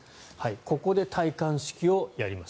ここで戴冠式をやります。